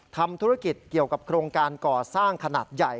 ทำธุรกิจเกี่ยวกับโครงการก่อสร้างขนาดใหญ่